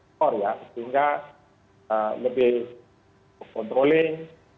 motor ya sehingga lebih controlling